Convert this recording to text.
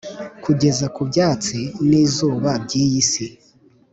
kugeza ku byatsi n'izuba by'iyi si,